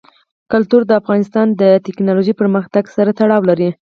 کلتور د افغانستان د تکنالوژۍ پرمختګ سره تړاو لري.